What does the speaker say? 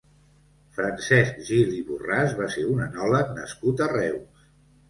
Francesc Gil i Borràs va ser un enòleg nascut a Reus.